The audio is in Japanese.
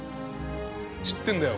知ってんだよ。